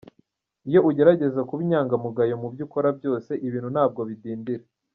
Iyo ugerageza kuba inyangamugayo mu byo ukora byose ibintu ntabwo bidindira.